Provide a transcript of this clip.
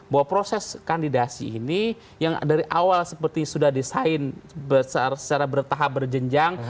bahwa proses kandidasi ini yang dari awal seperti sudah desain secara bertahap berjenjang